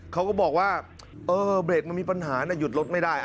เขาก็บอกว่าเออเบรกมันมีปัญหานะหยุดรถไม่ได้